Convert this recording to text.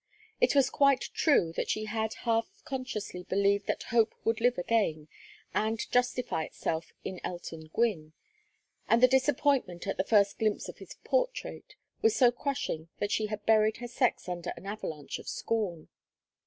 It was quite true that she had half consciously believed that hope would live again and justify itself in Elton Gwynne, and the disappointment, at the first glimpse of his portrait, was so crushing that she had buried her sex under an avalanche of scorn.